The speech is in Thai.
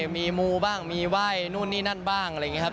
มีมูบ้างมีไหว้นู่นนี่นั่นบ้างอะไรอย่างนี้ครับ